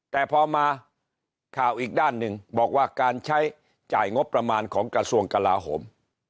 แต่พอมาข่าวอีกด้านหนึ่งบอกว่าการใช้จ่ายงบประมาณของกระทรวงกลาโหม